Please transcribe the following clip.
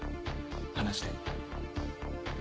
話して。